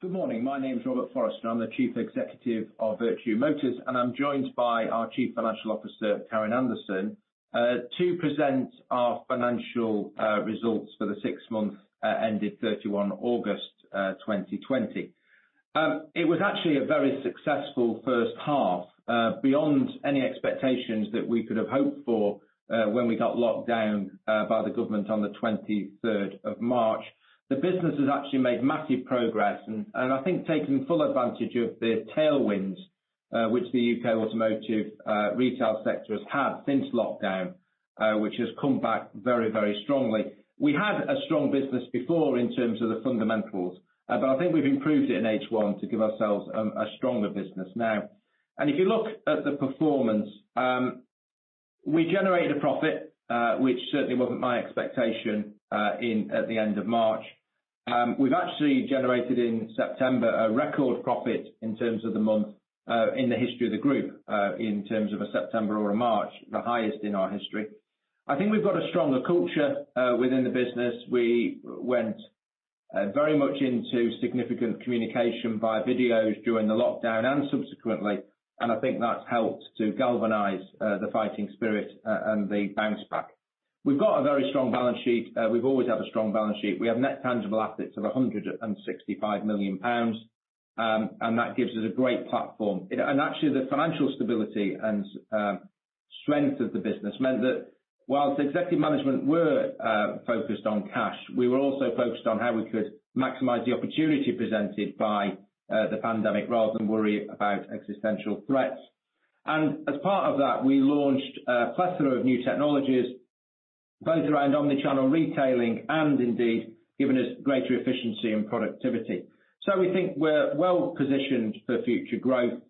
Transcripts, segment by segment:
Good morning. My name is Robert Forrester. I'm the Chief Executive of Vertu Motors, and I'm joined by our Chief Financial Officer, Karen Anderson, to present our financial results for the six months ended 31 August 2020. It was actually a very successful H1, beyond any expectations that we could have hoped for when we got locked down by the government on the 23rd of March. The business has actually made massive progress and I think taken full advantage of the tailwinds which the U.K. automotive retail sector has had since lockdown, which has come back very, very strongly. We had a strong business before in terms of the fundamentals, but I think we've improved it in H1 to give ourselves a stronger business now. If you look at the performance, we generated a profit, which certainly wasn't my expectation at the end of March. We've actually generated in September a record profit in terms of the month, in the history of the group, in terms of a September or a March, the highest in our history. I think we've got a stronger culture within the business. We went very much into significant communication via videos during the lockdown and subsequently, and I think that's helped to galvanize the fighting spirit and the bounce back. We've got a very strong balance sheet. We've always had a strong balance sheet. We have net tangible assets of 165 million pounds, and that gives us a great platform. Actually, the financial stability and strength of the business meant that whilst executive management were focused on cash, we were also focused on how we could maximize the opportunity presented by the pandemic rather than worry about existential threats. As part of that, we launched a plethora of new technologies, both around omni-channel retailing and indeed giving us greater efficiency and productivity. We think we're well positioned for future growth.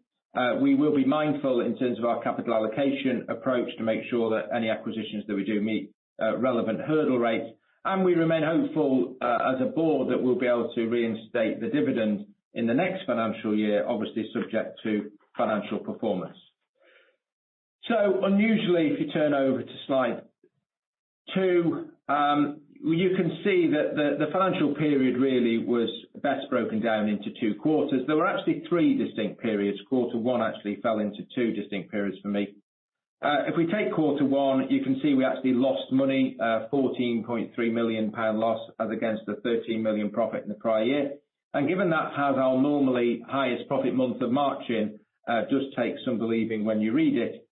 We will be mindful in terms of our capital allocation approach to make sure that any acquisitions that we do meet relevant hurdle rates, and we remain hopeful as a board that we'll be able to reinstate the dividend in the next financial year, obviously subject to financial performance. Unusually, if you turn over to slide two, you can see that the financial period really was best broken down into two quarters. There were actually three distinct periods. Q1 actually fell into two distinct periods for me. If we take Q1, you can see we actually lost money, 14.3 million pound loss as against the 13 million profit in the prior year. Given that has our normally highest profit month of March in, just takes some believing when you read it.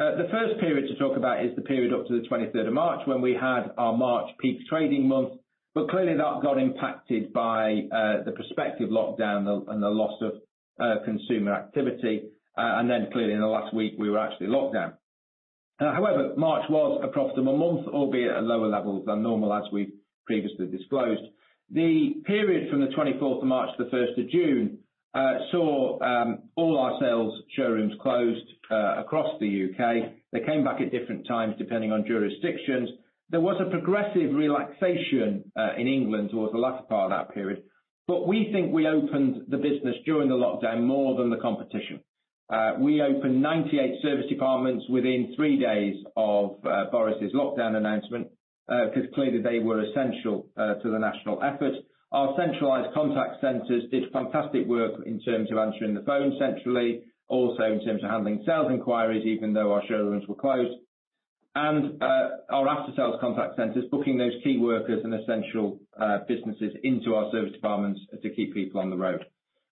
The first period to talk about is the period up to the 23rd of March when we had our March peak trading month. Clearly that got impacted by the prospective lockdown, and the loss of consumer activity. Clearly in the last week, we were actually locked down. However, March was a profitable month, albeit at lower levels than normal as we've previously disclosed. The period from the 24th of March to the 1st of June, saw all our sales showrooms closed across the U.K. They came back at different times depending on jurisdictions. There was a progressive relaxation in England towards the latter part of that period, but we think we opened the business during the lockdown more than the competition. We opened 98 service departments within three days of Boris's lockdown announcement, because clearly they were essential to the national effort. Our centralized contact centers did fantastic work in terms of answering the phone centrally, also in terms of handling sales inquiries, even though our showrooms were closed. Our after-sales contact centers booking those key workers and essential businesses into our service departments to keep people on the road.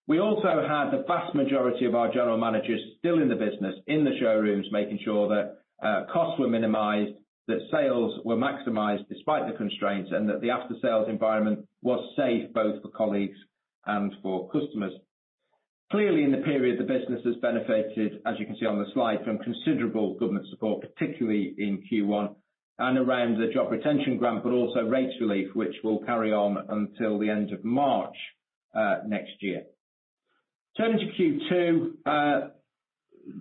We also had the vast majority of our general managers still in the business, in the showrooms, making sure that costs were minimized, that sales were maximized despite the constraints, and that the after-sales environment was safe both for colleagues and for customers. Clearly, in the period, the business has benefited, as you can see on the slide, from considerable government support, particularly in Q1 and around the job retention grant, but also rates relief, which will carry on until the end of March next year. Turning to Q2,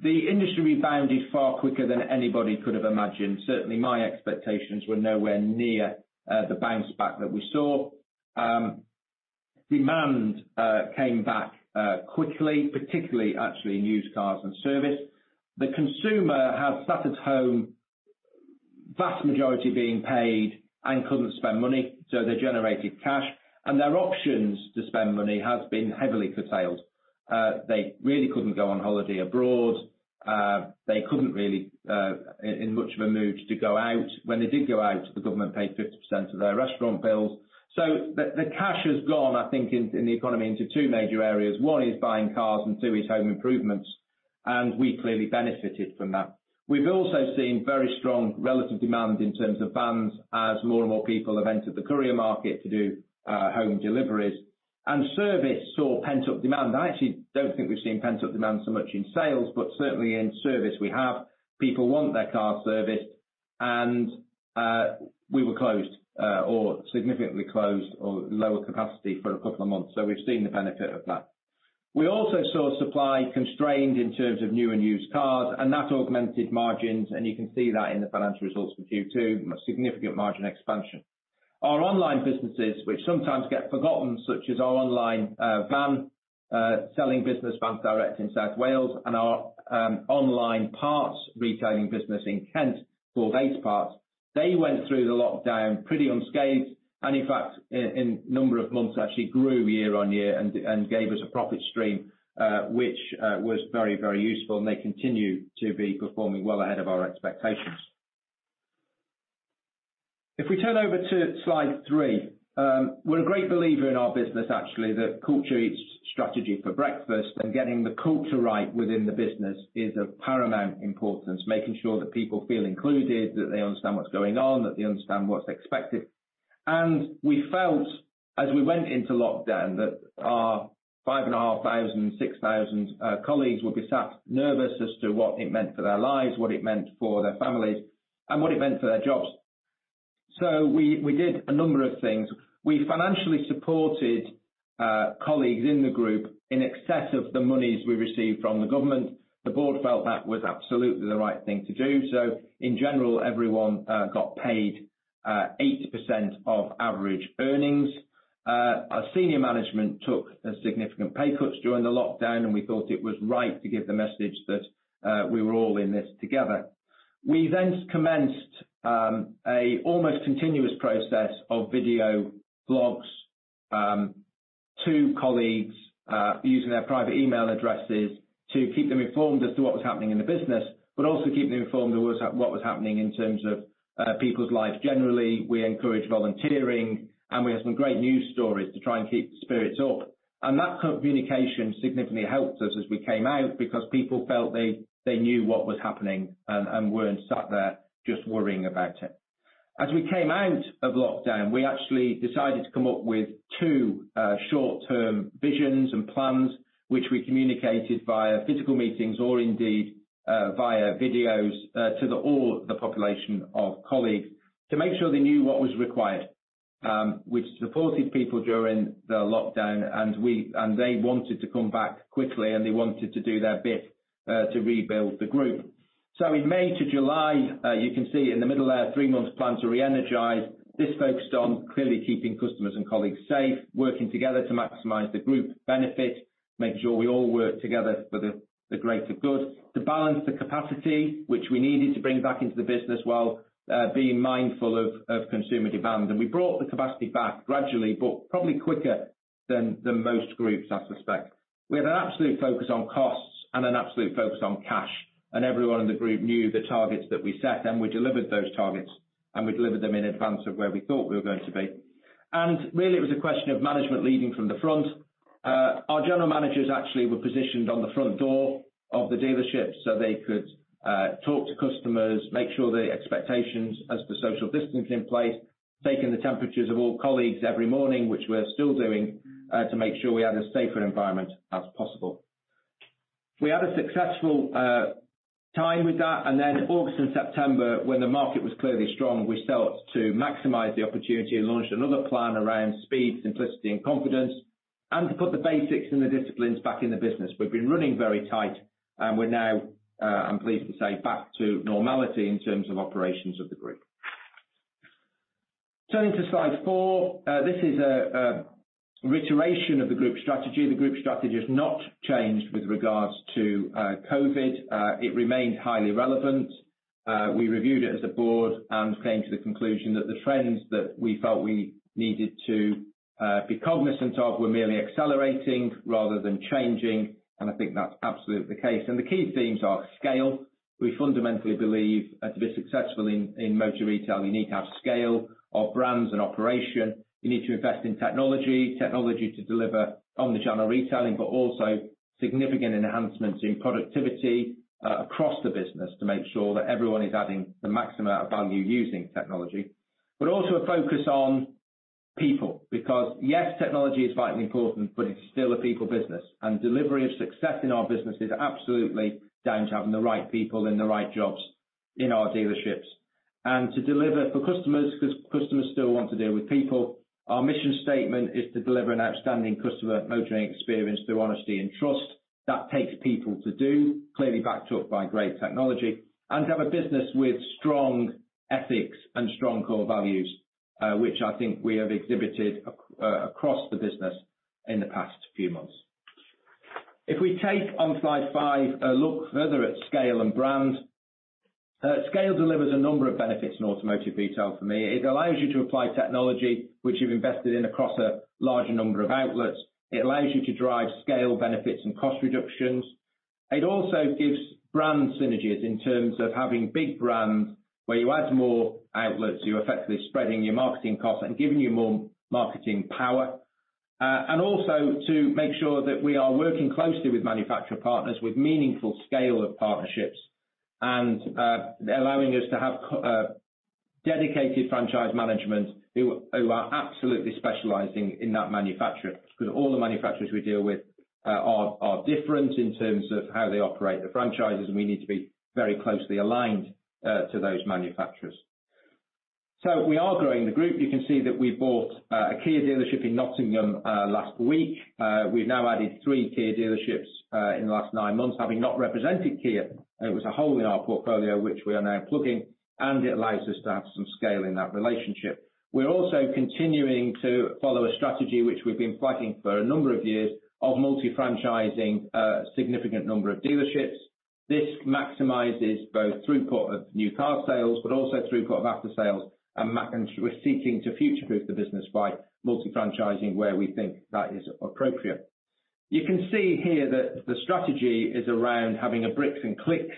the industry rebounded far quicker than anybody could have imagined. Certainly, my expectations were nowhere near the bounce back that we saw. Demand came back quickly, particularly actually in used cars and service. The consumer had sat at home, vast majority being paid and couldn't spend money, so they generated cash, and their options to spend money has been heavily curtailed. They really couldn't go on holiday abroad. They couldn't really, in much of a mood to go out. When they did go out, the government paid 50% of their restaurant bills. The cash has gone, I think, in the economy into two major areas. One is buying cars and two is home improvements, we clearly benefited from that. We've also seen very strong relative demand in terms of vans as more and more people have entered the courier market to do home deliveries. Service saw pent-up demand. I actually don't think we've seen pent-up demand so much in sales, but certainly in service we have. People want their cars serviced and we were closed, or significantly closed or lower capacity for a couple of months. We've seen the benefit of that. We also saw supply constrained in terms of new and used cars, and that augmented margins, and you can see that in the financial results for Q2, a significant margin expansion. Our online businesses, which sometimes get forgotten, such as our online van-selling business Vansdirect in South Wales and our online parts retailing business in Kent called Aceparts, went through the lockdown pretty unscathed, and in fact, in number of months actually grew year-on-year and gave us a profit stream, which was very, very useful, and they continue to be performing well ahead of our expectations. If we turn over to slide three, we're a great believer in our business actually, that culture eats strategy for breakfast. Getting the culture right within the business is of paramount importance. Making sure that people feel included, that they understand what's going on, that they understand what's expected. We felt as we went into lockdown that our 5,500, 6,000 colleagues would be sat nervous as to what it meant for their lives, what it meant for their families, and what it meant for their jobs. We did a number of things. We financially supported colleagues in the group in excess of the monies we received from the government. The board felt that was absolutely the right thing to do. In general, everyone got paid 80% of average earnings. Our senior management took significant pay cuts during the lockdown, and we thought it was right to give the message that we were all in this together. We commenced an almost continuous process of video blogs to colleagues, using their private email addresses to keep them informed as to what was happening in the business, but also keep them informed of what was happening in terms of people's lives generally. We encouraged volunteering, and we had some great news stories to try and keep spirits up. That communication significantly helped us as we came out because people felt they knew what was happening and weren't sat there just worrying about it. As we came out of lockdown, we actually decided to come up with two short-term visions and plans, which we communicated via physical meetings or indeed via videos to all the population of colleagues to make sure they knew what was required, which supported people during the lockdown, and they wanted to come back quickly, and they wanted to do their bit to rebuild the group. In May to July, you can see in the middle there, three months plan to reenergize. This focused on clearly keeping customers and colleagues safe, working together to maximize the group benefit, make sure we all work together for the greater good, to balance the capacity which we needed to bring back into the business while being mindful of consumer demand. We brought the capacity back gradually, but probably quicker than most groups, I suspect. We had an absolute focus on costs and an absolute focus on cash, and everyone in the group knew the targets that we set, and we delivered those targets, and we delivered them in advance of where we thought we were going to be. Really it was a question of management leading from the front. Our general managers actually were positioned on the front door of the dealerships so they could talk to customers, make sure the expectations as to social distance in place, taking the temperatures of all colleagues every morning, which we're still doing, to make sure we had as safe an environment as possible. We had a successful time with that. August and September, when the market was clearly strong, we sought to maximize the opportunity and launched another plan around speed, simplicity, and confidence and to put the basics and the disciplines back in the business. We've been running very tight. We're now, I'm pleased to say, back to normality in terms of operations of the group. Turning to slide four, this is a reiteration of the group strategy. The group strategy has not changed with regards to COVID. It remained highly relevant. We reviewed it as a board and came to the conclusion that the trends that we felt we needed to be cognizant of were merely accelerating rather than changing. I think that's absolutely the case. The key themes are scale. We fundamentally believe to be successful in motor retail, you need to have scale of brands and operation. You need to invest in technology to deliver omni-channel retailing, but also significant enhancements in productivity across the business to make sure that everyone is adding the maximum amount of value using technology. Also a focus on people because, yes, technology is vitally important, but it's still a people business, and delivery of success in our business is absolutely down to having the right people in the right jobs in our dealerships. To deliver for customers, because customers still want to deal with people, our mission statement is to deliver an outstanding customer motoring experience through honesty and trust. That takes people to do, clearly backed up by great technology, and to have a business with strong ethics and strong core values, which I think we have exhibited across the business in the past few months. If we take on slide five, a look further at scale and brand. Scale delivers a number of benefits in automotive retail for me. It allows you to apply technology which you've invested in across a larger number of outlets. It allows you to drive scale benefits and cost reductions. It also gives brand synergies in terms of having big brands where you add more outlets, you're effectively spreading your marketing costs and giving you more marketing power. Also to make sure that we are working closely with manufacturer partners with meaningful scale of partnerships, and allowing us to have dedicated franchise management who are absolutely specializing in that manufacturer. Because all the manufacturers we deal with are different in terms of how they operate the franchises, and we need to be very closely aligned to those manufacturers. We are growing the group. You can see that we bought a Kia dealership in Nottingham last week. We've now added three Kia dealerships in the last nine months. Having not represented Kia, it was a hole in our portfolio, which we are now plugging, and it allows us to have some scale in that relationship. We're also continuing to follow a strategy which we've been fighting for a number of years of multi-franchising a significant number of dealerships. This maximizes both throughput of new car sales, but also throughput of after sales, and we're seeking to future-proof the business by multi-franchising where we think that is appropriate. You can see here that the strategy is around having a bricks and clicks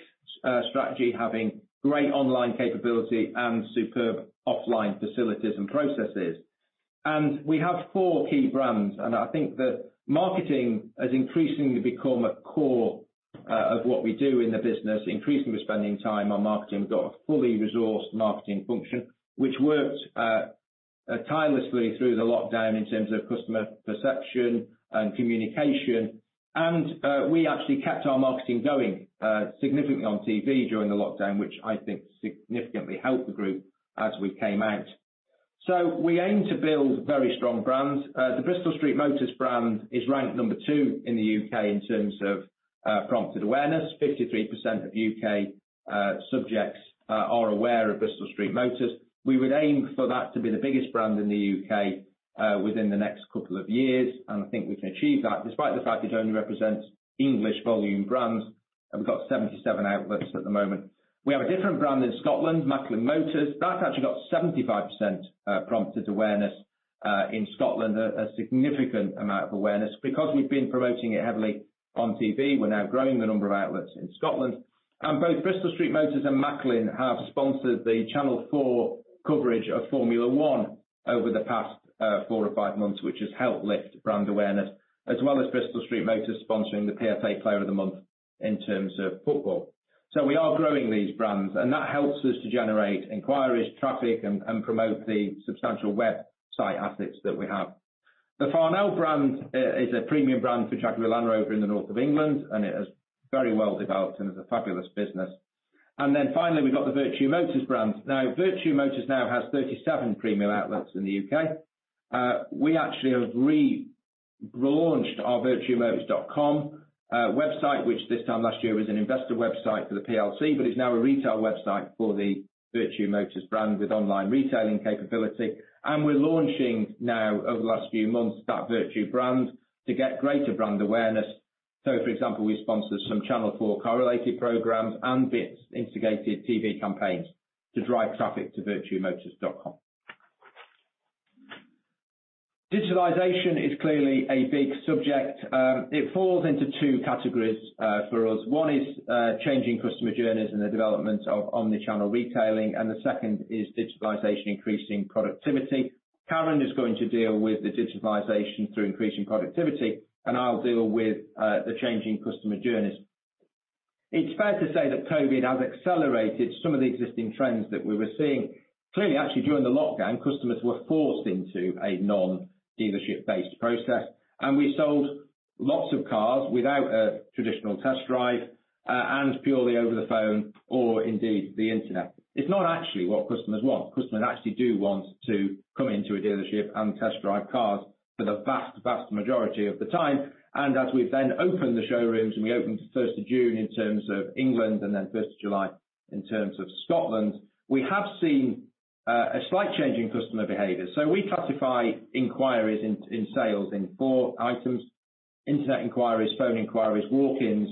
strategy, having great online capability, and superb offline facilities and processes. We have four key brands, and I think that marketing has increasingly become a core of what we do in the business, increasingly spending time on marketing. We've got a fully resourced marketing function, which worked tirelessly through the lockdown in terms of customer perception and communication. We actually kept our marketing going significantly on TV during the lockdown, which I think significantly helped the group as we came out. We aim to build very strong brands. The Bristol Street Motors brand is ranked number two in the U.K. in terms of prompted awareness. 53% of U.K. subjects are aware of Bristol Street Motors. We would aim for that to be the biggest brand in the U.K. within the next couple of years. I think we can achieve that, despite the fact it only represents English volume brands, and we've got 77 outlets at the moment. We have a different brand in Scotland, Macklin Motors. That's actually got 75% prompted awareness in Scotland, a significant amount of awareness because we've been promoting it heavily on TV. We're now growing the number of outlets in Scotland. Both Bristol Street Motors and Macklin have sponsored the Channel 4 coverage of Formula One over the past four or five months, which has helped lift brand awareness, as well as Bristol Street Motors sponsoring the PFA Player of the Month in terms of football. We are growing these brands, and that helps us to generate inquiries, traffic, and promote the substantial website assets that we have. The Farnell brand is a premium brand for Jaguar Land Rover in the north of England, and it has very well developed and is a fabulous business. Finally, we've got the Vertu Motors brand. Vertu Motors now has 37 premium outlets in the U.K. We actually have relaunched our vertumotors.com website, which this time last year was an investor website for the PLC, but is now a retail website for the Vertu Motors brand with online retailing capability. We're launching now, over the last few months, that Vertu brand to get greater brand awareness. For example, we sponsored some Channel 4 correlated programs and bits instigated TV campaigns to drive traffic to vertumotors.com. Digitalization is clearly a big subject. It falls into two categories for us. One is changing customer journeys and the development of omni-channel retailing, and the second is digitalization increasing productivity. Karen is going to deal with the digitalization through increasing productivity, and I'll deal with the changing customer journeys. It's fair to say that COVID has accelerated some of the existing trends that we were seeing. Clearly, actually, during the lockdown, customers were forced into a non-dealership based process, and we sold lots of cars without a traditional test drive, and purely over the phone or indeed the internet. It's not actually what customers want. Customers actually do want to come into a dealership and test drive cars for the vast majority of the time. As we've then opened the showrooms, and we opened the 1st of June in terms of England, and then 1st of July in terms of Scotland, we have seen a slight change in customer behavior. We classify inquiries in sales in four items: Internet inquiries, phone inquiries, walk-ins,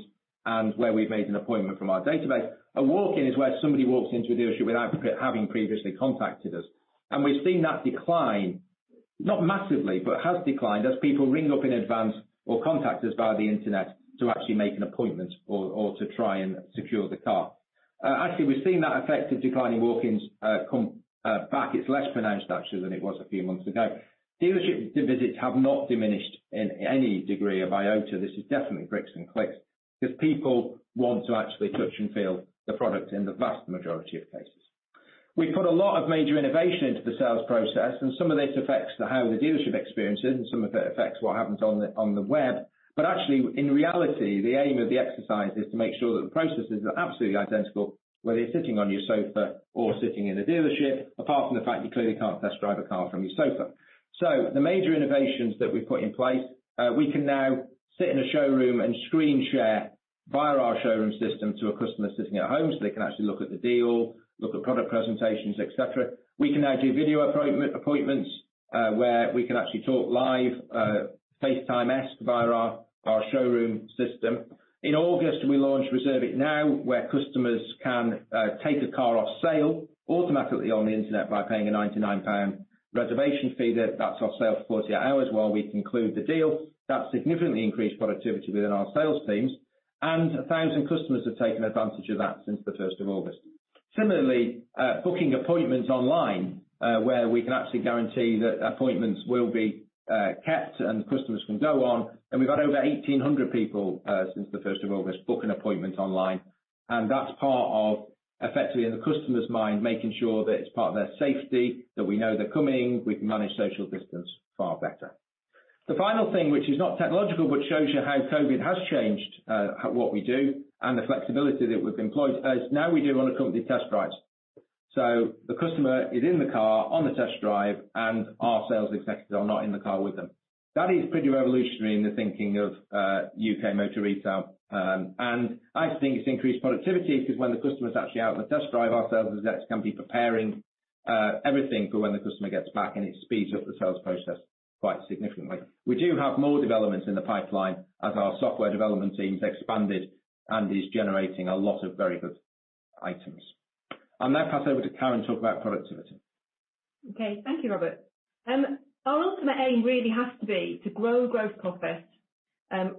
and where we've made an appointment from our database. A walk-in is where somebody walks into a dealership without having previously contacted us. We've seen that decline, not massively, but has declined as people ring up in advance or contact us via the Internet to actually make an appointment or to try and secure the car. We've seen that effect of declining walk-ins come back. It's less pronounced actually than it was a few months ago. Dealership visits have not diminished in any degree or iota. This is definitely bricks and clicks, because people want to actually touch and feel the product in the vast majority of cases. Some of this affects how the dealership experiences it, and some of it affects what happens on the web. Actually, in reality, the aim of the exercise is to make sure that the processes are absolutely identical, whether you're sitting on your sofa or sitting in a dealership, apart from the fact you clearly can't test drive a car from your sofa. The major innovations that we've put in place, we can now sit in a showroom and screen share via our showroom system to a customer sitting at home so they can actually look at the deal, look at product presentations, et cetera. We can now do video appointments, where we can actually talk live, FaceTime-esque via our showroom system. In August, we launched Reserve It Now, where customers can take a car off sale automatically on the internet by paying a 99 pound reservation fee, that's off sale for 48 hours while we conclude the deal. That significantly increased productivity within our sales teams, and 1,000 customers have taken advantage of that since the 1st of August. Similarly, booking appointments online, where we can actually guarantee that appointments will be kept and customers can go on, we got over 1,800 people since the 1st of August book an appointment online. That's part of effectively in the customer's mind, making sure that it's part of their safety, that we know they're coming, we can manage social distance far better. The final thing, which is not technological, but shows you how COVID has changed what we do and the flexibility that we've employed is now we do unaccompanied test drives. The customer is in the car, on the test drive, and our sales executives are not in the car with them. That is pretty revolutionary in the thinking of U.K. motor retail. I think it's increased productivity because when the customer's actually out on the test drive, our sales executive can be preparing everything for when the customer gets back, and it speeds up the sales process quite significantly. We do have more developments in the pipeline as our software development team's expanded and is generating a lot of very good items. I'll now pass over to Karen to talk about productivity. Okay. Thank you, Robert. Our ultimate aim really has to be to grow gross profit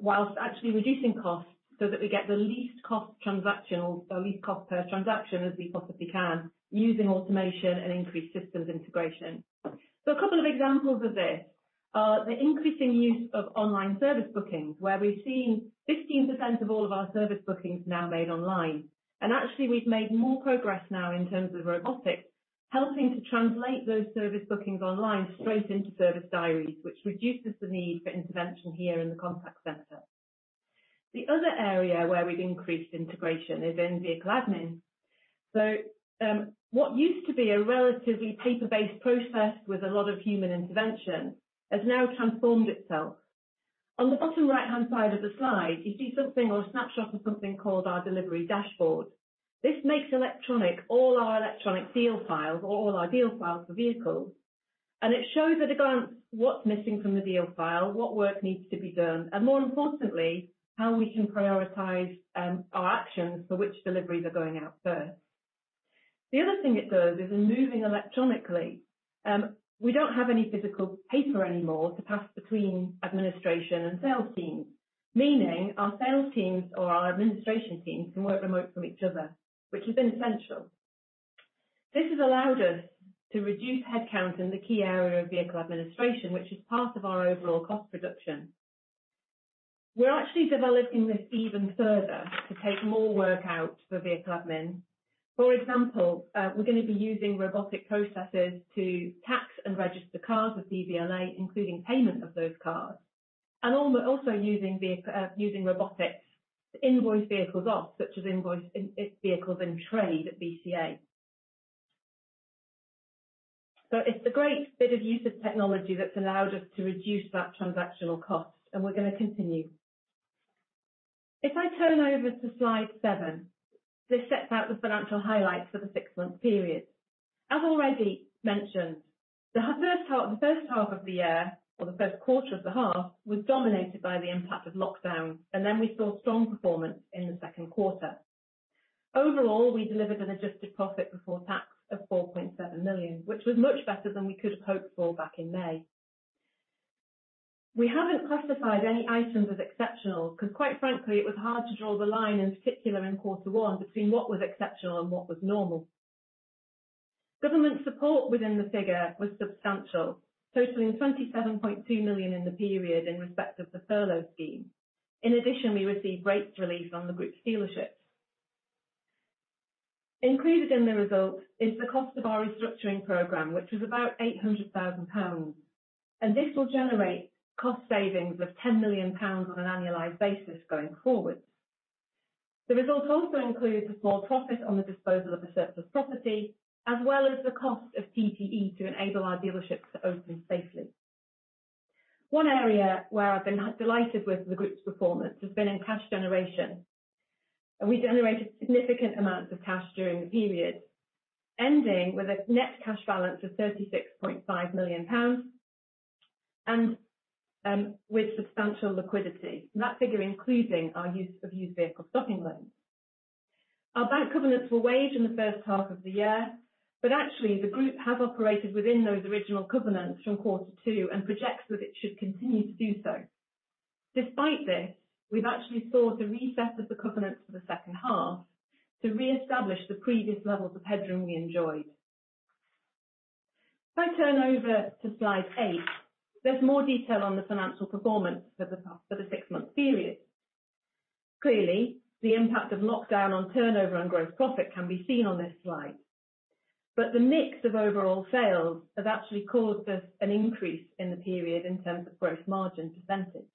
whilst actually reducing costs so that we get the least cost transactional or least cost per transaction as we possibly can, using automation and increased systems integration. A couple of examples of this are the increasing use of online service bookings, where we're seeing 15% of all of our service bookings now made online. Actually, we've made more progress now in terms of robotics, helping to translate those service bookings online straight into service diaries, which reduces the need for intervention here in the contact center. The other area where we've increased integration is in-vehicle admin. What used to be a relatively paper-based process with a lot of human intervention has now transformed itself. On the bottom right-hand side of the slide, you see something or a snapshot of something called our delivery dashboard. It shows at a glance what's missing from the deal file, what work needs to be done, and more importantly, how we can prioritize our actions for which deliveries are going out first. The other thing it does is in moving electronically. We don't have any physical paper anymore to pass between administration and sales teams, meaning our sales teams or our administration teams can work remote from each other, which has been essential. This has allowed us to reduce headcount in the key area of vehicle administration, which is part of our overall cost reduction. We're actually developing this even further to take more work out for vehicle admin. For example, we're going to be using robotic processes to tax and register cars with DVLA, including payment of those cars. We're also using robotics to invoice vehicles off, such as invoice vehicles in trade at BCA. It's a great bit of use of technology that's allowed us to reduce that transactional cost, and we're going to continue. If I turn over to slide seven, this sets out the financial highlights for the six-month period. As already mentioned, the first half of the year or the Q1 of the half was dominated by the impact of lockdown, and then we saw strong performance in the Q2. Overall, we delivered an adjusted profit before tax of 4.7 million, which was much better than we could have hoped for back in May. We haven't classified any items as exceptional because quite frankly, it was hard to draw the line, in particular in Q1, between what was exceptional and what was normal. Government support within the figure was substantial, totaling 27.2 million in the period in respect of the furlough scheme. In addition, we received rates relief on the group's dealerships. Included in the results is the cost of our restructuring program, which was about 800,000 pounds, and this will generate cost savings of 10 million pounds on an annualized basis going forward. The results also include a small profit on the disposal of a surplus property, as well as the cost of PPE to enable our dealerships to open safely. One area where I've been delighted with the group's performance has been in cash generation. We generated significant amounts of cash during the period, ending with a net cash balance of 36.5 million pounds and with substantial liquidity. That figure including our use of used vehicle stocking loans. Our bank covenants were waived in the H1 of the year, actually, the group has operated within those original covenants from Q2 and projects that it should continue to do so. Despite this, we've actually sought a reset of the covenants for the H2 to reestablish the previous levels of headroom we enjoyed. If I turn over to slide eight, there's more detail on the financial performance for the six-month period. Clearly, the impact of lockdown on turnover and gross profit can be seen on this slide. The mix of overall sales has actually caused us an increase in the period in terms of gross margin percentage.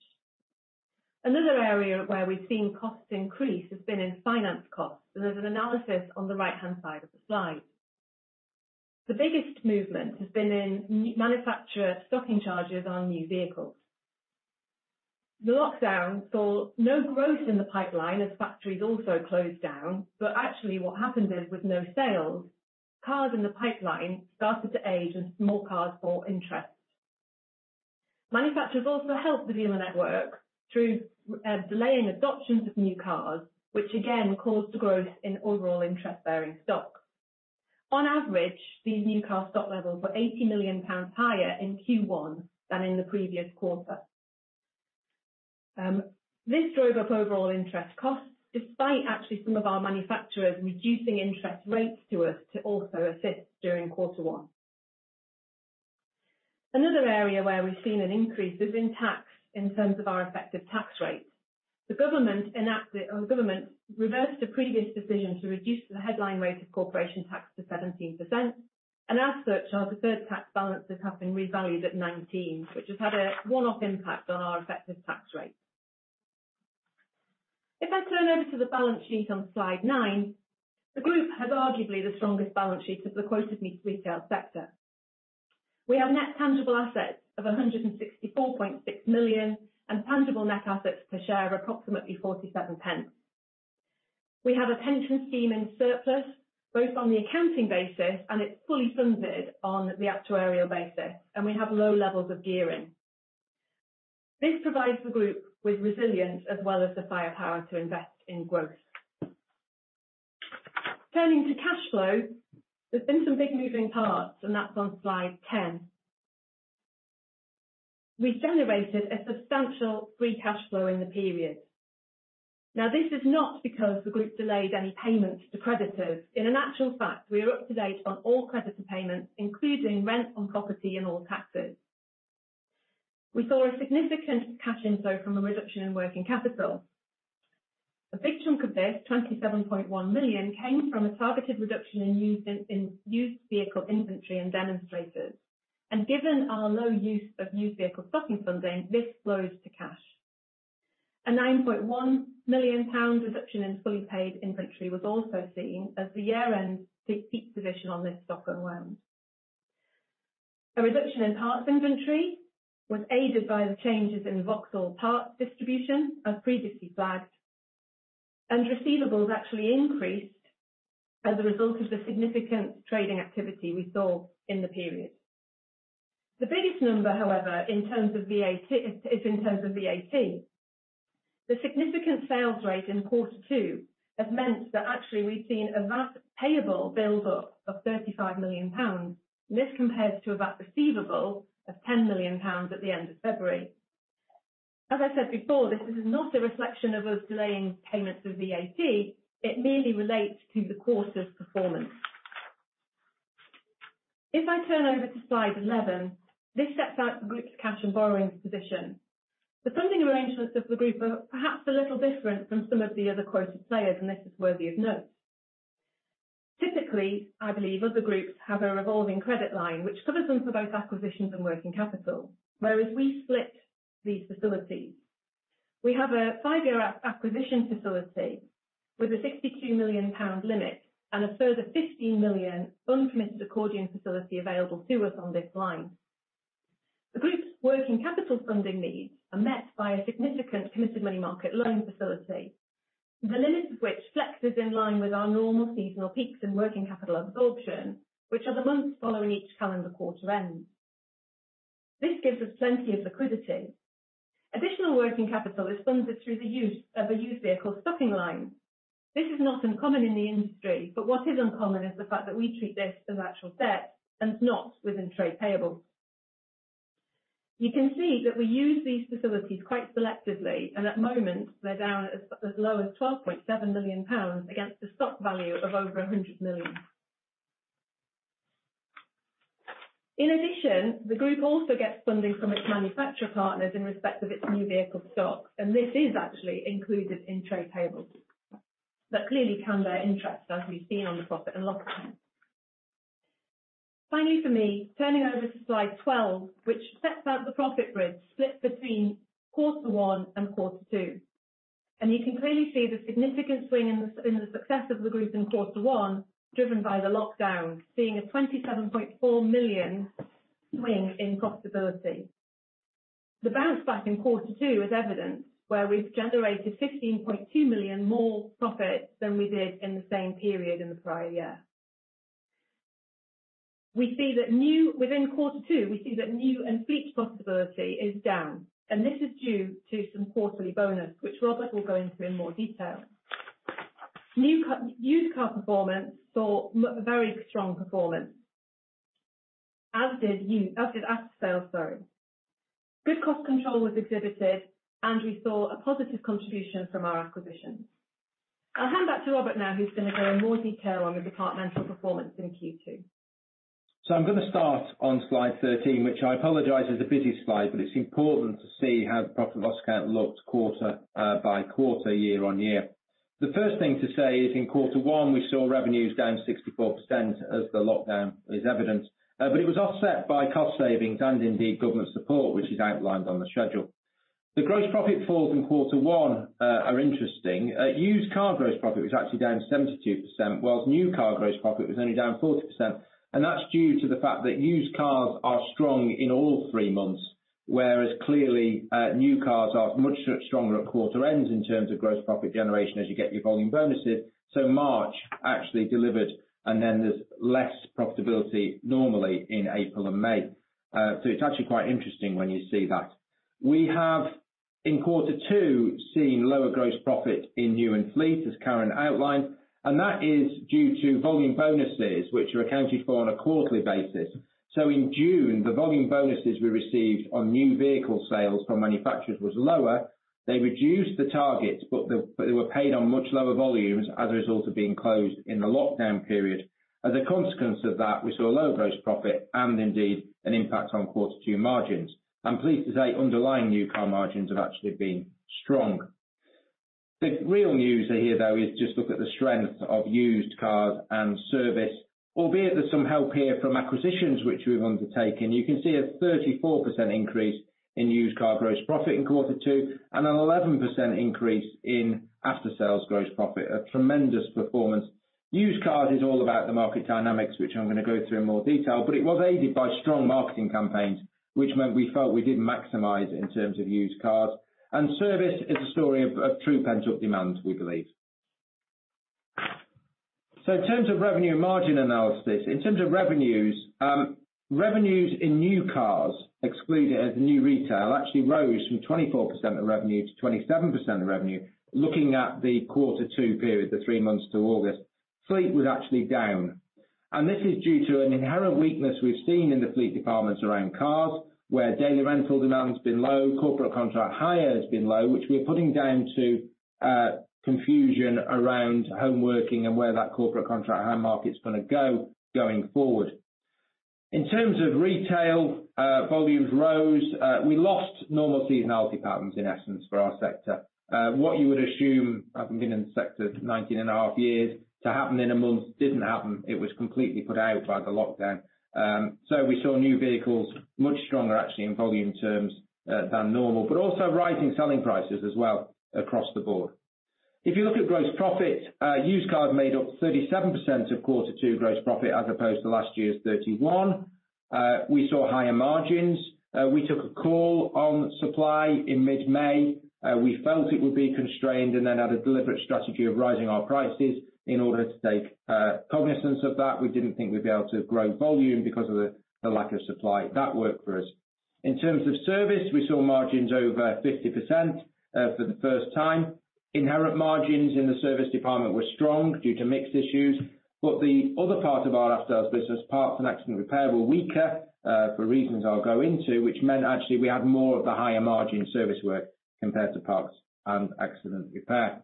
Another area where we've seen costs increase has been in finance costs, and there's an analysis on the right-hand side of the slide. The biggest movement has been in manufacturer stocking charges on new vehicles. The lockdown saw no growth in the pipeline as factories also closed down. Actually what happened is, with no sales, cars in the pipeline started to age and more cars for interest. Manufacturers also helped the dealer network through delaying adoptions of new cars, which again caused the growth in overall interest-bearing stock. On average, these new car stock levels were 80 million pounds higher in Q1 than in the previous quarter. Another area where we've seen an increase is in tax in terms of our effective tax rates. The Government reversed a previous decision to reduce the headline rate of corporation tax to 17%, and as such, our deferred tax balances have been revalued at 19%, which has had a one-off impact on our effective tax rate. If I turn over to the balance sheet on slide nine, the Group has arguably the strongest balance sheet of the quoted retail sector. We have net tangible assets of 164.6 million and tangible net assets per share of approximately 0.47. We have a pension scheme in surplus, both on the accounting basis, and it's fully funded on the actuarial basis, and we have low levels of gearing. This provides the Group with resilience as well as the firepower to invest in growth. Turning to cash flow, there's been some big moving parts, and that's on slide 10. We generated a substantial free cash flow in the period. Now, this is not because the group delayed any payments to creditors. In an actual fact, we are up to date on all creditor payments, including rent on property and all taxes. We saw a significant cash inflow from a reduction in working capital. A big chunk of this, 27.1 million, came from a targeted reduction in used vehicle inventory and demonstrators. Given our low use of new vehicle stocking funding, this flows to cash. A 9.1 million pounds reduction in fully paid inventory was also seen as the year-end peak position on this stock loan. A reduction in parts inventory was aided by the changes in Vauxhall parts distribution, as previously flagged. Receivables actually increased as a result of the significant trading activity we saw in the period. The biggest number, however, is in terms of VAT. The significant sales rate in Q2 has meant that actually we've seen a VAT payable build-up of 35 million pounds. This compares to a VAT receivable of 10 million pounds at the end of February. As I said before, this is not a reflection of us delaying payments of VAT, it merely relates to the quarter's performance. If I turn over to slide 11, this sets out the group's cash and borrowings position. The funding arrangements of the group are perhaps a little different from some of the other quoted players, and this is worthy of note. Typically, I believe other groups have a revolving credit line, which covers them for both acquisitions and working capital, whereas we split these facilities. We have a five-year acquisition facility with a 62 million pound limit and a further 15 million uncommitted accordion facility available to us on this line. The group's working capital funding needs are met by a significant committed money market loan facility, the limits of which flexes in line with our normal seasonal peaks and working capital absorption, which are the months following each calendar quarter end. This gives us plenty of liquidity. Additional working capital is funded through the use of a used vehicle stocking line. This is not uncommon in the industry, but what is uncommon is the fact that we treat this as actual debt and not within trade payables. You can see that we use these facilities quite selectively, and at moment, they're down as low as 12.7 million pounds against a stock value of over 100 million. In addition, the group also gets funding from its manufacturer partners in respect of its new vehicle stock, this is actually included in trade payables that clearly carry their interest as we've seen on the profit and loss account. Finally, for me, turning over to slide 12, which sets out the profit bridge split between Q1 and Q2. You can clearly see the significant swing in the success of the group in Q1, driven by the lockdown, seeing a 27.4 million swing in profitability. The bounce back in Q2 is evident, where we've generated 15.2 million more profit than we did in the same period in the prior year. Within Q2, we see that new and fleet profitability is down, and this is due to some quarterly bonus, which Robert will go into in more detail. Used car performance saw very strong performance, as did aftersales. Good cost control was exhibited, and we saw a positive contribution from our acquisitions. I'll hand back to Robert now, who's going to go in more detail on the departmental performance in Q2. I'm going to start on slide 13, which I apologize is a busy slide, but it's important to see how the profit and loss account looked quarter by quarter, year on year. The first thing to say is in Q1, we saw revenues down 64% as the lockdown is evident, but it was offset by cost savings and indeed government support, which is outlined on the schedule. The gross profit falls in Q1 are interesting. Used car gross profit was actually down 72%, whilst new car gross profit was only down 40%, and that's due to the fact that used cars are strong in all three months, whereas clearly, new cars are much stronger at quarter ends in terms of gross profit generation as you get your volume bonuses. March actually delivered, and then there's less profitability normally in April and May. It's actually quite interesting when you see that. We have, in Q2, seen lower gross profit in new and fleet, as Karen outlined, and that is due to volume bonuses, which are accounted for on a quarterly basis. In June, the volume bonuses we received on new vehicle sales from manufacturers was lower. They reduced the targets, they were paid on much lower volumes as a result of being closed in the lockdown period. As a consequence of that, we saw a lower gross profit and indeed an impact on Q2 margins. I'm pleased to say underlying new car margins have actually been strong. The real news here, though, is just look at the strength of used cars and service. Albeit there's some help here from acquisitions which we've undertaken. You can see a 34% increase in used car gross profit in Q2 and an 11% increase in aftersales gross profit, a tremendous performance. Used cars is all about the market dynamics, which I'm going to go through in more detail, but it was aided by strong marketing campaigns, which meant we felt we did maximize in terms of used cars. Service is a story of true pent-up demand, we believe. In terms of revenue margin analysis, in terms of revenues in new cars, excluded as new retail, actually rose from 24% of revenue to 27% of revenue, looking at the Q2 period, the three months to August. Fleet was actually down. This is due to an inherent weakness we've seen in the fleet departments around cars, where daily rental demand has been low, corporate contract hire has been low, which we're putting down to confusion around home working and where that corporate contract hire market's going to go going forward. In terms of retail, volumes rose. We lost normal seasonality patterns, in essence, for our sector. What you would assume, having been in the sector for 19.5 years, to happen in a month, didn't happen. It was completely put out by the lockdown. We saw new vehicles much stronger, actually, in volume terms than normal, but also rising selling prices as well across the board. If you look at gross profit, used cars made up 37% of Q2 gross profit, as opposed to last year's 31%. We saw higher margins. We took a call on supply in mid-May. We felt it would be constrained and then had a deliberate strategy of raising our prices in order to take cognizance of that. We didn't think we'd be able to grow volume because of the lack of supply. That worked for us. In terms of service, we saw margins over 50% for the first time. Inherent margins in the service department were strong due to mixed issues, but the other part of our aftersales business, parts and accident repair, were weaker for reasons I'll go into, which meant actually we had more of the higher margin service work compared to parts and accident repair.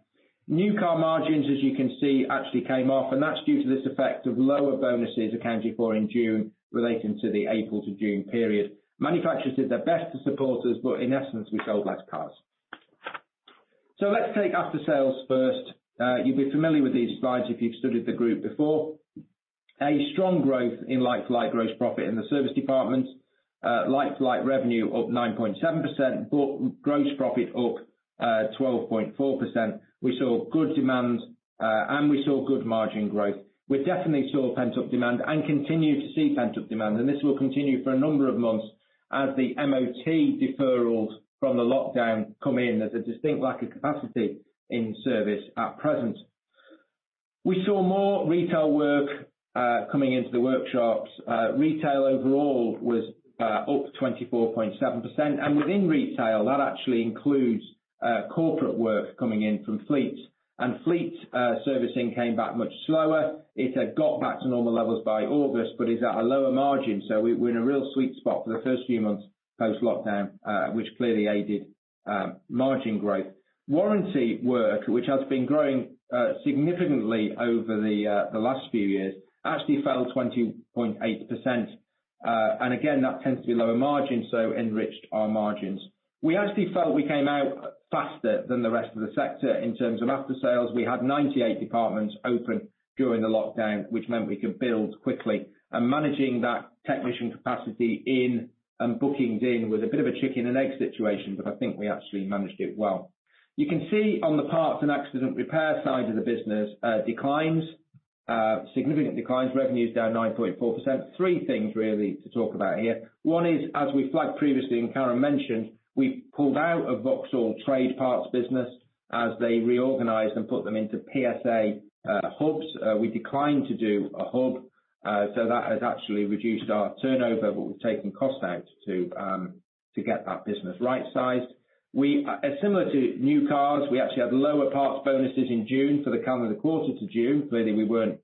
New car margins, as you can see, actually came off, and that's due to this effect of lower bonuses accounted for in June relating to the April to June period. Manufacturers did their best to support us, but in essence, we sold less cars. Let's take aftersales first. You'll be familiar with these slides if you've studied the group before. A strong growth in like-for-like gross profit in the service department. Like-for-like revenue up 9.7%, brought gross profit up 12.4%. We saw good demand, and we saw good margin growth. We definitely saw pent-up demand and continue to see pent-up demand, and this will continue for a number of months as the MOT deferrals from the lockdown come in. There's a distinct lack of capacity in service at present. We saw more retail work coming into the workshops. Retail overall was up 24.7%, and within retail, that actually includes corporate work coming in from fleet. Fleet servicing came back much slower. It had got back to normal levels by August, but is at a lower margin. We're in a real sweet spot for the first few months post-lockdown, which clearly aided margin growth. Warranty work, which has been growing significantly over the last few years, actually fell 20.8%. Again, that tends to be lower margin, so enriched our margins. We actually felt we came out faster than the rest of the sector in terms of aftersales. We had 98 departments open during the lockdown, which meant we could build quickly and managing that technician capacity in and bookings in was a bit of a chicken and egg situation, but I think we actually managed it well. You can see on the parts and accident repair side of the business, declines, significant declines. Revenue is down 9.4%. Three things really to talk about here. One is, as we flagged previously and Karen mentioned, we pulled out of Vauxhall trade parts business as they reorganized and put them into PSA hubs. That has actually reduced our turnover, but we've taken cost out to get that business right-sized. Similar to new cars, we actually had lower parts bonuses in June for the quarter to June. Clearly, we weren't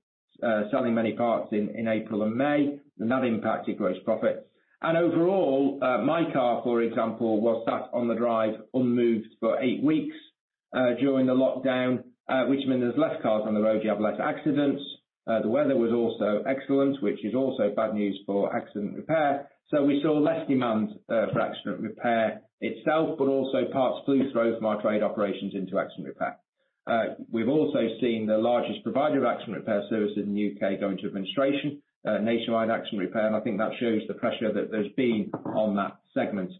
selling many parts in April and May, and that impacted gross profit. Overall, my car, for example, was sat on the drive unmoved for eight weeks during the lockdown, which meant there's less cars on the road, you have less accidents. The weather was also excellent, which is also bad news for accident repair. We saw less demand for accident repair itself, but also parts flows from our trade operations into accident repair. We've also seen the largest provider of accident repair services in the U.K. go into administration, Nationwide Accident Repair, and I think that shows the pressure that there's been on that segment.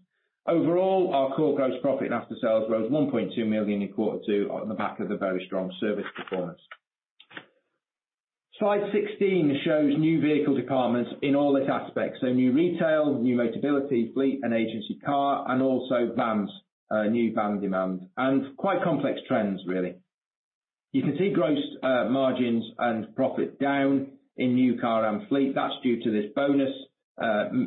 Overall, our core gross profit in aftersales rose 1.2 million in Q2 on the back of a very strong service performance. Slide 16 shows new vehicle departments in all its aspects, so new retail, new Motability, fleet, and agency car, and also vans, new van demand, and quite complex trends really. You can see gross margins and profit down in new car and fleet. That's due to this bonus,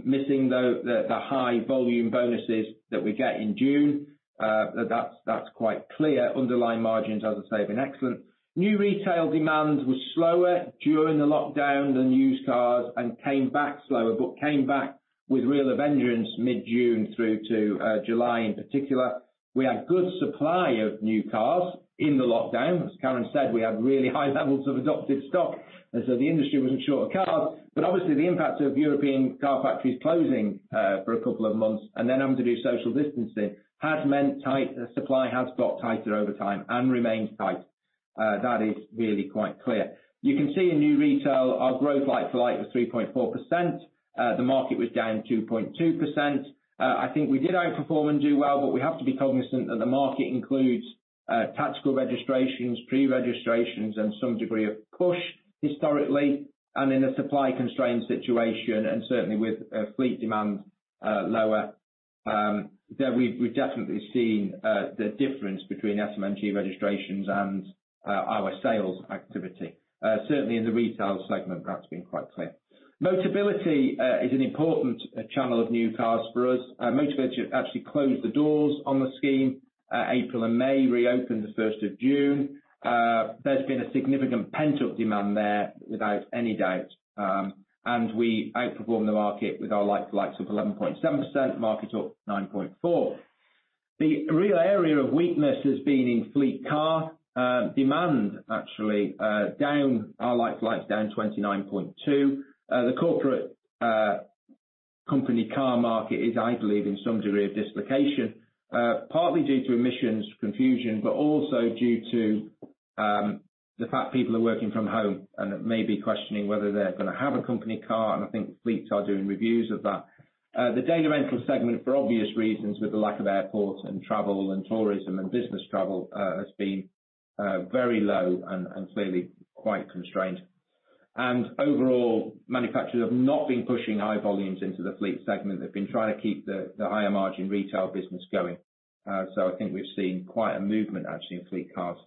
missing the high volume bonuses that we get in June. That's quite clear. Underlying margins, as I say, have been excellent. New retail demand was slower during the lockdown than used cars and came back slower, but came back with real vengeance mid-June through to July in particular. We had good supply of new cars in the lockdown. As Karen said, we had really high levels of adopted stock, and so the industry wasn't short of cars. Obviously, the impact of European car factories closing for a couple of months and then having to do social distancing has meant supply has got tighter over time and remains tight. That is really quite clear. You can see in new retail, our growth like-for-like was 3.4%. The market was down 2.2%. I think we did outperform and do well, but we have to be cognizant that the market includes Tactical registrations, pre-registrations, and some degree of push historically, and in a supply-constrained situation, and certainly with fleet demand lower, we've definitely seen the difference between SMMT registrations and our sales activity. Certainly, in the retail segment, that's been quite clear. Motability is an important channel of new cars for us. Motability actually closed the doors on the scheme, April and May, reopened the 1st of June. There's been a significant pent-up demand there, without any doubt. We outperformed the market with our like-for-likes of 11.7%, market up 9.4. The real area of weakness has been in fleet car demand, actually, our like-for-like is down 29.2. The corporate company car market is, I believe, in some degree of dislocation, partly due to emissions confusion, but also due to the fact people are working from home and may be questioning whether they're going to have a company car, and I think fleets are doing reviews of that. The daily rental segment, for obvious reasons, with the lack of airports and travel and tourism and business travel, has been very low and clearly quite constrained. Overall, manufacturers have not been pushing high volumes into the fleet segment. They've been trying to keep the higher margin retail business going. I think we've seen quite a movement actually in fleet cars,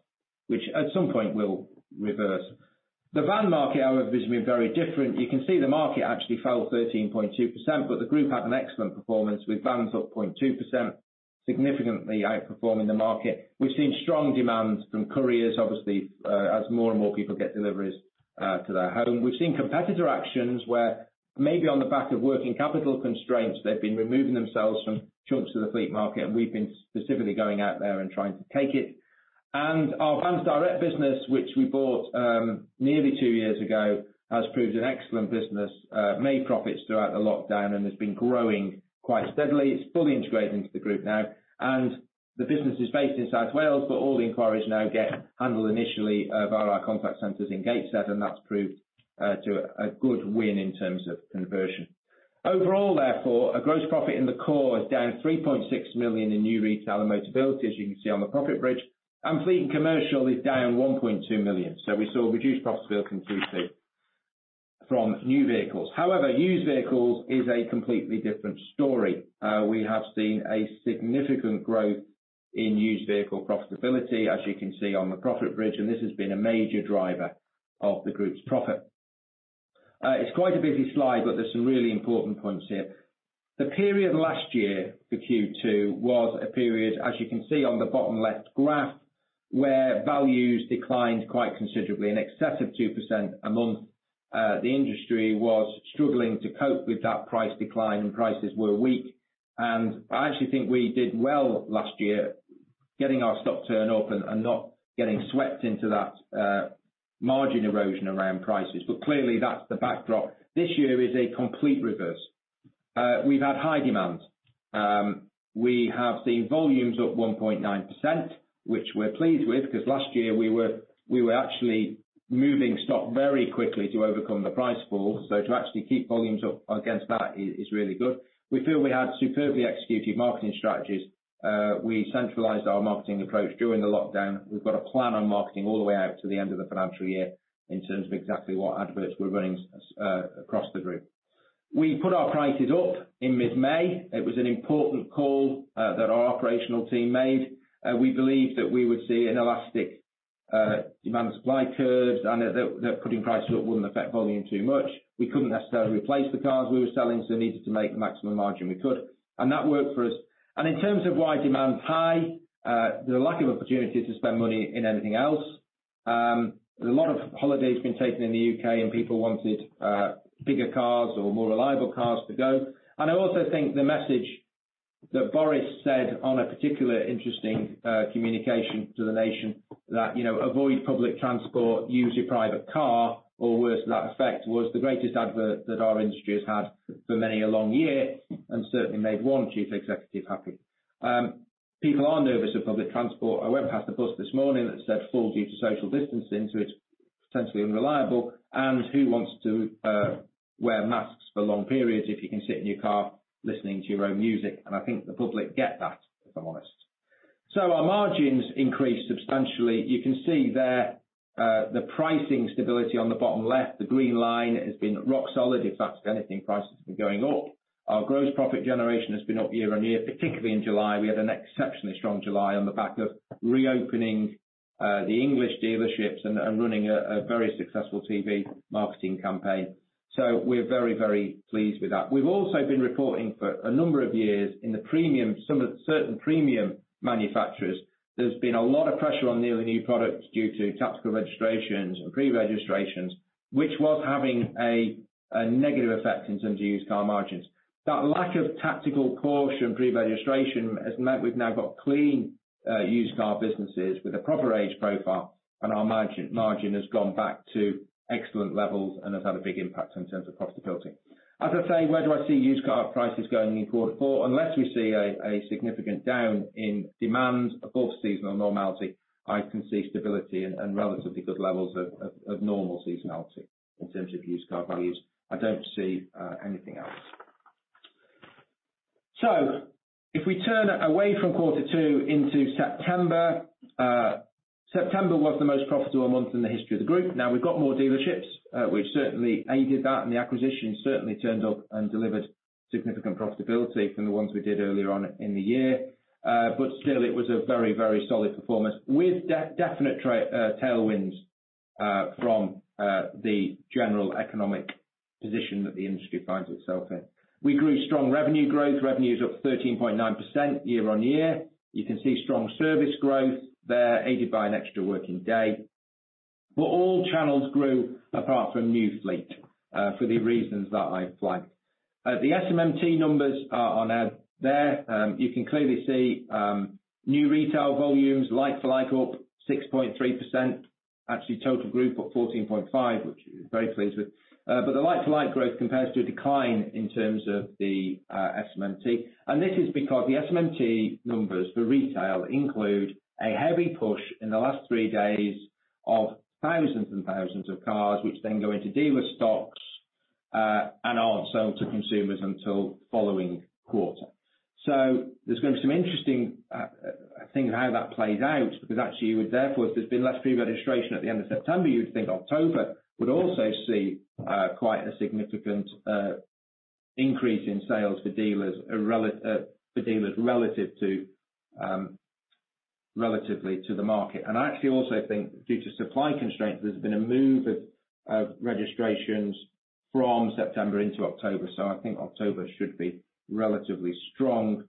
which at some point will reverse. The van market, however, has been very different. You can see the market actually fell 13.2%, but the group had an excellent performance with vans up 0.2%, significantly outperforming the market. We've seen strong demand from couriers, obviously, as more and more people get deliveries to their home. We've seen competitor actions where maybe on the back of working capital constraints, they've been removing themselves from chunks of the fleet market, and we've been specifically going out there and trying to take it. Our Vansdirect business, which we bought nearly two years ago, has proved an excellent business, made profits throughout the lockdown, and has been growing quite steadily. It's fully integrated into the group now. The business is based in South Wales, but all the inquiries now get handled initially via our contact centers in Gateshead, that's proved to a good win in terms of conversion. Overall, therefore, a gross profit in the core is down 3.6 million in new retail and Motability, as you can see on the profit bridge. Fleet and commercial is down 1.2 million. We saw reduced profitability in Q2 from new vehicles. However, used vehicles is a completely different story. We have seen a significant growth in used vehicle profitability, as you can see on the profit bridge, and this has been a major driver of the group's profit. It's quite a busy slide, but there's some really important points here. The period last year for Q2 was a period, as you can see on the bottom left graph, where values declined quite considerably, in excess of 2% a month. The industry was struggling to cope with that price decline, and prices were weak. I actually think we did well last year getting our stock turn up and not getting swept into that margin erosion around prices. Clearly, that's the backdrop. This year is a complete reverse. We've had high demand. We have seen volumes up 1.9%, which we're pleased with, because last year we were actually moving stock very quickly to overcome the price fall. To actually keep volumes up against that is really good. We feel we had superbly executed marketing strategies. We centralized our marketing approach during the lockdown. We've got a plan on marketing all the way out to the end of the financial year in terms of exactly what adverts we're running across the group. We put our prices up in mid-May. It was an important call that our operational team made. We believed that we would see an elastic demand and supply curve and that putting prices up wouldn't affect volume too much. We couldn't necessarily replace the cars we were selling, so we needed to make the maximum margin we could, and that worked for us. In terms of why demand's high, the lack of opportunity to spend money in anything else. A lot of holidays been taken in the U.K. and people wanted bigger cars or more reliable cars to go. I also think the message that Boris said on a particular interesting communication to the nation that, avoid public transport, use your private car, or words to that effect, was the greatest advert that our industry has had for many a long year, and certainly made one chief executive happy. People are nervous of public transport. I went past a bus this morning that said, "Full due to social distancing," so it's potentially unreliable. Who wants to wear masks for long periods if you can sit in your car listening to your own music? I think the public get that, if I'm honest. Our margins increased substantially. You can see there, the pricing stability on the bottom left, the green line, has been rock solid. If anything, prices have been going up. Our gross profit generation has been up year-over-year, particularly in July. We had an exceptionally strong July on the back of reopening the English dealerships and running a very successful TV marketing campaign. We're very pleased with that. We've also been reporting for a number of years in the premium, some of the certain premium manufacturers, there's been a lot of pressure on nearly new products due to tactical registrations and pre-registrations, which was having a negative effect in terms of used car margins. That lack of tactical caution pre-registration has meant we've now got clean used car businesses with a proper age profile, and our margin has gone back to excellent levels and has had a big impact in terms of profitability. As I say, where do I see used car prices going in Q4? Unless we see a significant down in demand above seasonal normality, I can see stability and relatively good levels of normal seasonality in terms of used car values. I don't see anything else. If we turn away from Q2 into September was the most profitable month in the history of the group. We've got more dealerships, which certainly aided that, and the acquisition certainly turned up and delivered significant profitability from the ones we did earlier on in the year. Still, it was a very, very solid performance with definite tailwinds from the general economic position that the industry finds itself in. We grew strong revenue growth. Revenue is up 13.9% year-on-year. You can see strong service growth there, aided by an extra working day. All channels grew apart from new fleet, for the reasons that I flagged. The SMMT numbers are on there. You can clearly see new retail volumes like-for-like up 6.3%. Total group up 14.5%, which we're very pleased with. The like-for-like growth compares to a decline in terms of the SMMT. This is because the SMMT numbers for retail include a heavy push in the last three days of thousands and thousands of cars, which then go into dealer stocks and aren't sold to consumers until following quarter. There's going to be some interesting things how that plays out, because actually you would therefore, if there's been less pre-registration at the end of September, you'd think October would also see quite a significant increase in sales for dealers relatively to the market. I actually also think due to supply constraints, there's been a move of registrations from September into October. I think October should be relatively strong.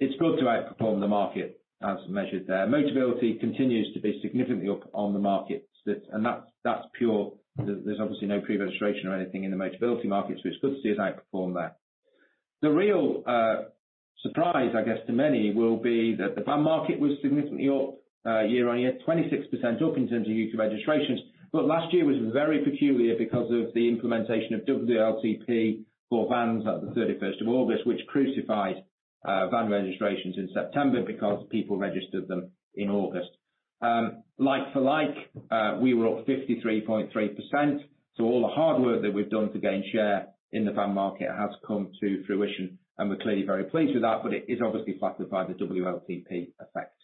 It's good to outperform the market as measured there. Motability continues to be significantly up on the market. That's pure, there's obviously no pre-registration or anything in the Motability market. It's good to see us outperform there. The real surprise, I guess, to many will be that the van market was significantly up year-on-year, 26% up in terms of U.K. registrations. Last year was very peculiar because of the implementation of WLTP for vans at the 31st of August, which crucified van registrations in September because people registered them in August. Like for like, we were up 53.3%. All the hard work that we've done to gain share in the van market has come to fruition, and we're clearly very pleased with that, but it is obviously flattered by the WLTP effect.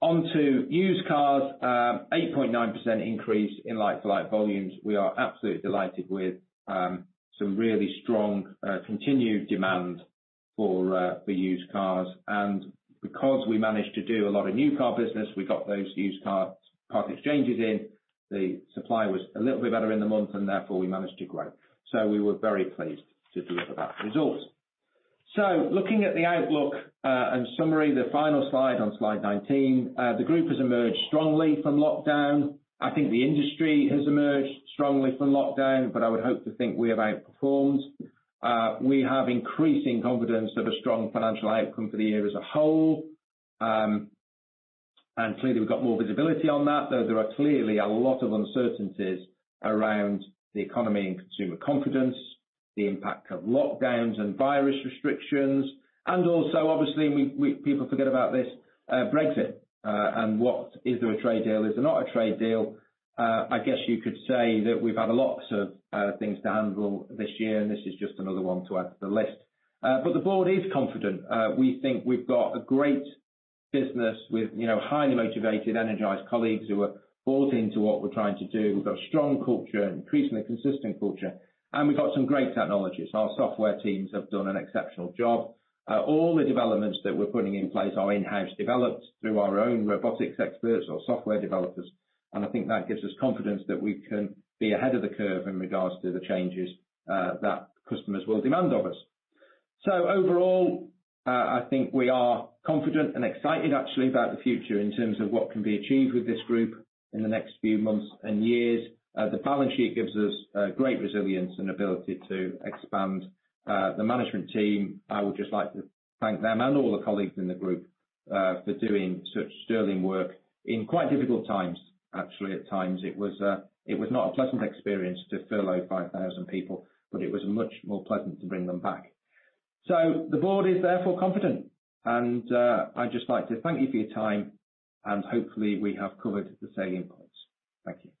Onto used cars, 8.9% increase in like-for-like volumes. We are absolutely delighted with some really strong continued demand for used cars. Because we managed to do a lot of new car business, we got those used car part exchanges in, the supply was a little bit better in the month, therefore we managed to grow. We were very pleased to deliver that result. Looking at the outlook and summary, the final slide on slide 19, the group has emerged strongly from lockdown. I think the industry has emerged strongly from lockdown. I would hope to think we have outperformed. We have increasing confidence of a strong financial outcome for the year as a whole. Clearly, we've got more visibility on that, though there are clearly a lot of uncertainties around the economy and consumer confidence, the impact of lockdowns and virus restrictions, also, obviously, people forget about this, Brexit. What, is there a trade deal? Is there not a trade deal? I guess you could say that we've had a lot of things to handle this year, and this is just another one to add to the list. The board is confident. We think we've got a great business with highly motivated, energized colleagues who are bought into what we're trying to do. We've got a strong culture, an increasingly consistent culture, and we've got some great technology. Our software teams have done an exceptional job. All the developments that we're putting in place are in-house developed through our own robotics experts or software developers, and I think that gives us confidence that we can be ahead of the curve in regards to the changes that customers will demand of us. Overall, I think we are confident and excited actually about the future in terms of what can be achieved with this group in the next few months and years. The balance sheet gives us great resilience and ability to expand. The management team, I would just like to thank them and all the colleagues in the group, for doing such sterling work in quite difficult times. Actually, at times it was not a pleasant experience to furlough 5,000 people, but it was much more pleasant to bring them back. The board is therefore confident, and I'd just like to thank you for your time, and hopefully, we have covered the salient points. Thank you.